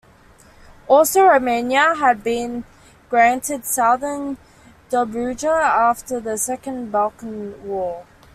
Also Romania had been granted Southern Dobruja after the Second Balkan War.